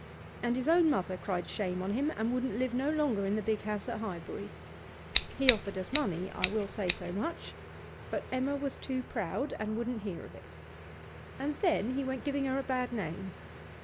And his own mother cried shame on him, and wouldn't live no longer in the big house in Highbury. He offered us money I will say so much but Emma was too proud, and wouldn't hear of it. And then he went giving her a bad name.